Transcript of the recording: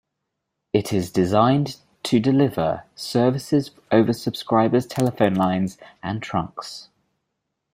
It is designed to deliver services over subscribers' telephone lines and trunks.